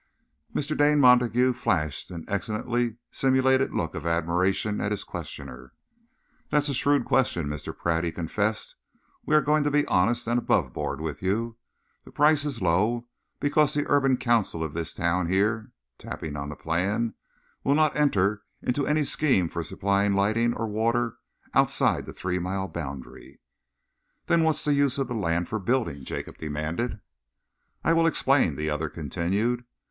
Mr. Dane Montague flashed an excellently simulated look of admiration at his questioner. "That's a shrewd question, Mr. Pratt," he confessed. "We are going to be honest and aboveboard with you. The price is low because the Urban Council of this town here" tapping on the plan "will not enter into any scheme for supplying lighting or water outside the three mile boundary." "Then what's the use of the land for building?" Jacob demanded. "I will explain," the other continued.